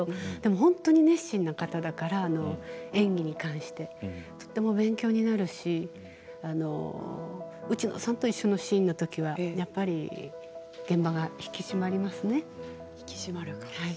本当に熱心な方だから演技に関してとても勉強になるし内野さんと一緒のシーンのときはやっぱり現場が引き締まりますね。